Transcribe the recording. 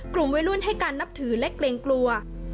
กลุ่มวัยรุ่นให้การนับถือและเกรงกลัว